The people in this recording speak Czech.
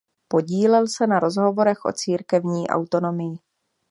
Podílel se na rozhovorech o církevní autonomii.